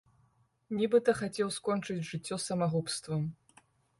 Нібыта хацеў скончыць жыццё самагубствам.